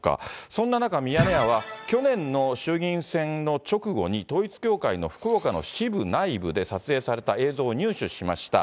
そんな中、ミヤネ屋は去年の衆議院選の直後に統一教会の福岡の支部内部で撮影された映像を入手しました。